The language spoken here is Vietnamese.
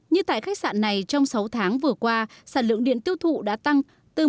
như tại khách sạn này trong sáu tháng vừa qua sản lượng điện tiêu thụ đã tăng